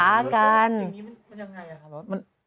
ทีนี้มันยังไงล่ะครับ